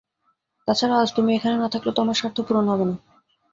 তাছাড়া আজ তুমি এখানে না থাকলে তো আমার স্বার্থ পূর্ণ হবে না।